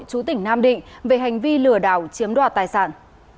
chú tỉnh nam định về hành vi lừa đảo chiếm đoạt tài sản